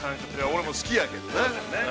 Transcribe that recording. ◆俺も好きやけどね。